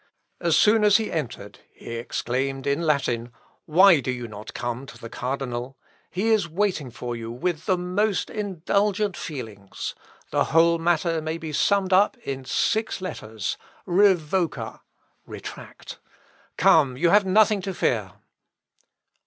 As soon as he entered, he exclaimed in Latin, "Why do you not come to the cardinal? He is waiting for you with the most indulgent feelings. The whole matter may be summed up in six letters: REVOCA, Retract. Come, you have nothing to fear."